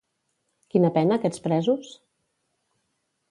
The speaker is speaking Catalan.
Quina pena aquests presos?